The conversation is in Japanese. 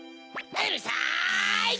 うるさい！